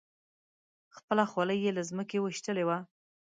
خپله خولۍ یې له ځمکې ویشتلې وه.